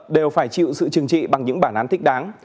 đều phải chịu sự chừng trị bằng những bản án thích đáng